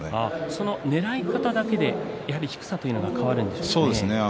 そのねらい方だけで低さが変わるんでしょうか。